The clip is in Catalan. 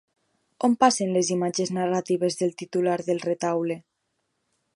On passen les imatges narratives del titular del retaule?